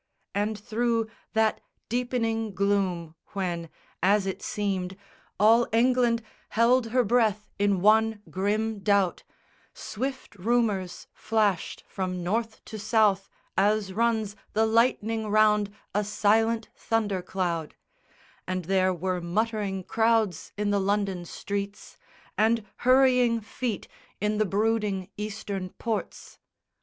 And through that deepening gloom when, as it seemed, All England held her breath in one grim doubt, Swift rumours flashed from North to South as runs The lightning round a silent thunder cloud; And there were muttering crowds in the London streets, And hurrying feet in the brooding Eastern ports.